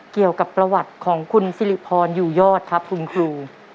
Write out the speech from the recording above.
เกี่ยวกับประวัติของคุณสิริพรอยู่ยอดครับคุณครู